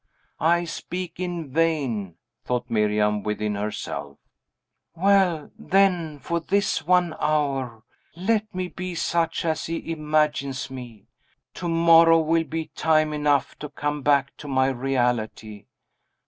"I speak in vain," thought Miriam within herself. "Well, then, for this one hour, let me be such as he imagines me. To morrow will be time enough to come back to my reality.